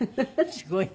すごいね。